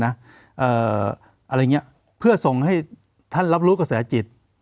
อะไรอย่างนี้เพื่อส่งให้ท่านรับรู้กระแสจิต